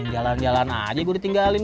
jalan jalan aja gue ditinggalin